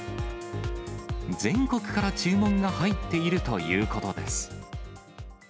全国から注文が入っているということです。